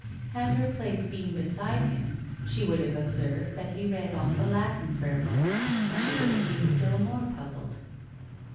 Had her place been beside him, she would have observed that he read off a Latin prayer book, and she would have been still more puzzled.